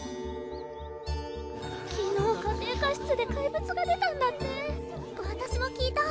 昨日家庭科室で怪物が出たんだってわたしも聞いた！